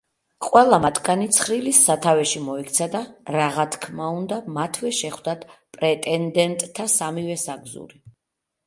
ყველა მათგანი ცხრილის სათავეში მოექცა და რაღა თქმა უნდა მათვე შეხვდათ პრეტენდენტთა სამივე საგზური.